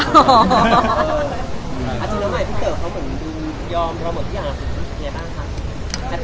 พี่เต๋อเค้าเหมือนดูยอมเหมือนอย่างอาศักดิ์อย่างนี้บ้างคะ